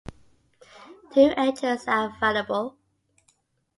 Two engines are available.